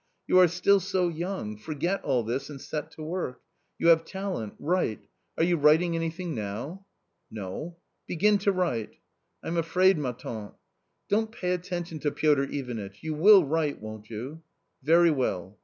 You are still so young, forget all this and set to work ; you have talent ; write Are you writing anything now ?"" No." " Begin to write." " I'm afraid, ma tante? " Don't pay attention to Piotr Ivanitch ; you will write, won't you ?"" Very well."